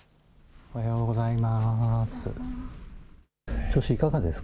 おはようございます。